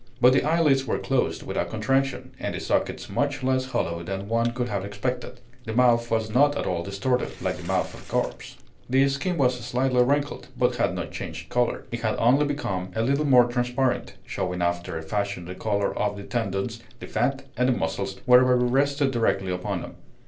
But the eyelids were closed without contraction, and the sockets much less hollow than one could have expected; the mouth was not at all distorted, like the mouth of a corpse; the skin was slightly wrinkled, but had not changed color, it had only become a little more transparent, showing after a fashion the color of the tendons, the fat, and the muscles, wherever it rested directly upon them.